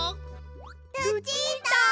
ルチータ！